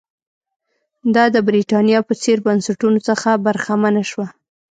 دا د برېټانیا په څېر بنسټونو څخه برخمنه شوه.